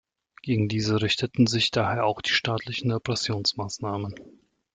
Gegen diese richteten sich daher auch die staatlichen Repressionsmaßnahmen.